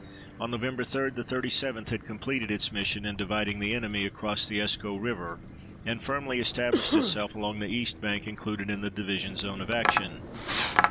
On Nov. 3 the 37th had completed its mission in dividing the enemy across the Escaut River and firmly established itself along the east bank included in the division zone of action.